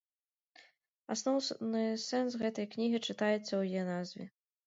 Асноўны сэнс гэтай кнігі чытаецца ў яе назве.